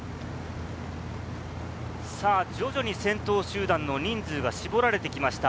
徐々に先頭集団の人数が絞られてきました。